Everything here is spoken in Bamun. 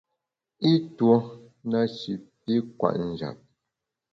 I tuo na shi pi kwet njap.